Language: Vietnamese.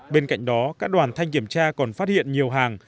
bên cạnh đó các đoàn thanh kiểm tra còn phát hiện nhiều hàng